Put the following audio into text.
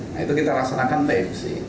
nah itu kita laksanakan tbc